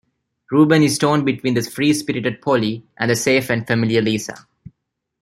Reuben is torn between the free-spirited Polly and the safe and familiar Lisa.